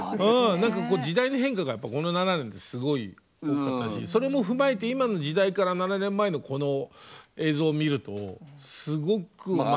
何か時代の変化がこの７年ってすごい多かったしそれも踏まえて今の時代から７年前のこの映像を見るとすごく前。